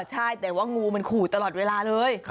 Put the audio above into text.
ใช่แต่ว่างูมันขู่ตลอดเวลาเลย